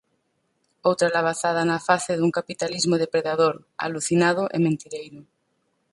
Outra labazada na face dun capitalismo depredador, alucinado e mentireiro.